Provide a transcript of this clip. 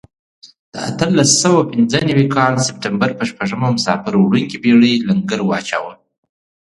د اتلس سوه پنځه نوي کال سپټمبر په شپږمه مسافر وړونکې بېړۍ لنګر واچاوه.